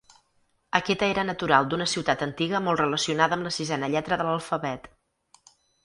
Aquesta era natural d'una ciutat antiga molt relacionada amb la sisena lletra de l'alfabet.